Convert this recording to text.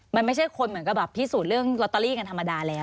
มันไม่ใช่คนเหมือนกับแบบพิสูจน์เรื่องลอตเตอรี่กันธรรมดาแล้ว